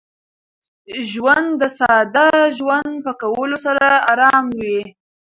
ژوند د ساده ژوند په کولو سره ارام وي.